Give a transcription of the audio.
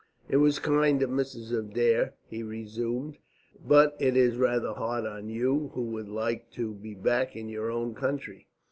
"It was kind of Mrs. Adair," he resumed, "but it is rather hard on you, who would like to be back in your own country.